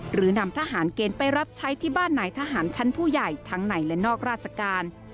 หรือนำทหารเกณฑ์ไปรับใช้ที่บ้านไหนทหารชั้นผู้ใหญ่ทั้งในและนอกราชการ